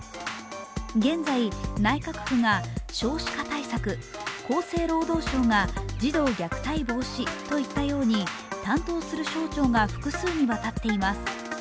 現在、内閣府が少子化対策、厚生労働省が児童虐待防止といったように、担当する省庁が複数にわたっています。